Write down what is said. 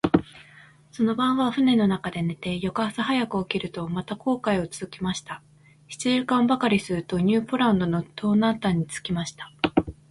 その晩は舟の中で寝て、翌朝早く起きると、また航海をつづけました。七時間ばかりすると、ニューポランドの東南端に着きました。